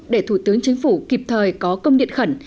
để thủ tướng chính phủ kịp thời có công điện khẩn